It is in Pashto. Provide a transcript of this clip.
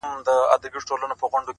• دیدن د بادو پیمانه ده,